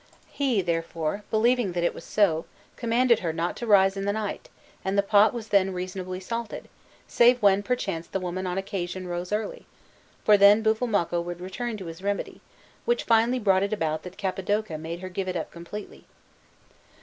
He, therefore, believing that it was so, commanded her not to rise in the night, and the pot was then reasonably salted, save when perchance the woman on occasion rose early, for then Buffalmacco would return to his remedy, which finally brought it about that Capodoca made her give it up completely.